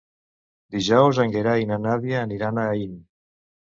Dijous en Gerai i na Nàdia aniran a Aín.